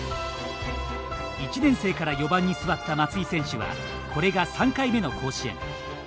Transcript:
１年生から４番に座った松井選手はこれが３回目の甲子園。